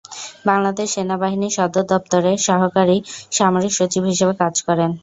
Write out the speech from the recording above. বাংলাদেশ সেনাবাহিনীর সদর দপ্তরে সহকারী সামরিক সচিব হিসেবে কাজ করেন।